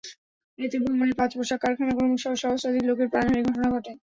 এতে ভবনের পাঁচ পোশাক কারখানার শ্রমিকসহ সহস্রাধিক লোকের প্রাণহানির ঘটনা ঘটে।